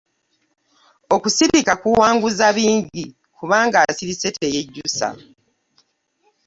Okusirika kuwanguza bingi kubanga asirise teyejjusa.